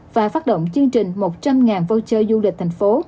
và phát động chương trình một trăm linh voucher du lịch thành phố